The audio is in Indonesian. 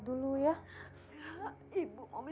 ibu mau minta tolong sama kamu sekali